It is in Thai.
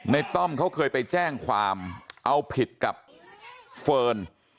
ต้อมเขาเคยไปแจ้งความเอาผิดกับเฟิร์น